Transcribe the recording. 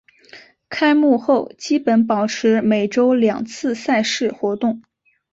开幕后基本保持每周两次赛事活动。